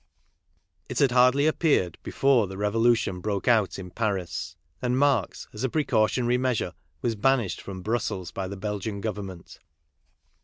It had hardly appeared before the .Revolution broke out in Paris, and Marx, as a precautionary measure, was banished from Brussels by the Belgian Government.